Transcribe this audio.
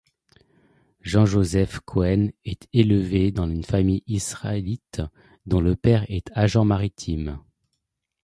Jean-Joseph Cohen est élevé dans une famille israélite dont le père est agent maritime.